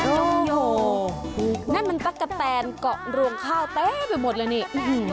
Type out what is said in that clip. โอ้โหนั่นมันตักกะแตนเกาะรวงข้าวทบิวหมดเลยนี่อือหือ